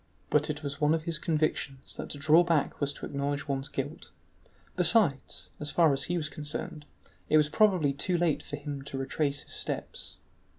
But it was one of his convictions that to draw back was to acknowledge one's guilt; besides, as far as he was concerned, it was probably too late for him to retrace his steps.